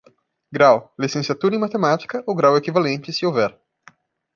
Grau: Licenciatura em Matemática, ou grau equivalente, se houver.